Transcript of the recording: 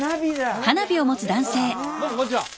どうもこんにちは。